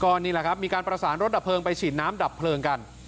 นี่แหละครับมีการประสานรถดับเพลิงไปฉีดน้ำดับเพลิงกัน